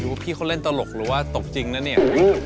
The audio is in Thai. ว่าพี่เขาเล่นตลกหรือว่าตบจริงนะเนี่ย